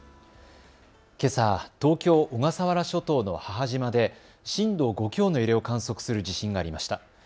けさ、東京小笠原諸島の母島で震度５強の揺れを観測する地震がありました。